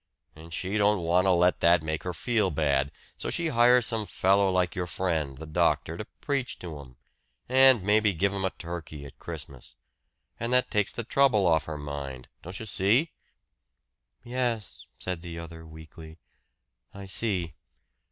And she don't want to let that make her feel bad, so she hires some fellow like your friend, the doctor, to preach to 'em and maybe give 'em a turkey at Christmas. And that takes the trouble off her mind. Don't you see?" "Yes," said the other weakly. "I see."